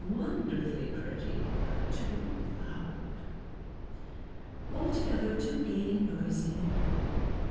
"Wonderfully pretty, but too loud." "Altogether too gay and noisy. Mrs.